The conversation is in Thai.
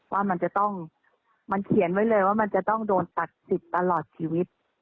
ว่ามันจะต้องมันเขียนไว้เลยว่ามันจะต้องโดนตัดสิทธิ์ตลอดชีวิต